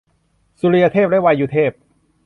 สุริยเทพและวายุเทพ